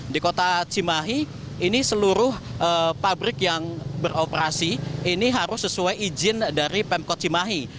di kota cimahi ini seluruh pabrik yang beroperasi ini harus sesuai izin dari pemkot cimahi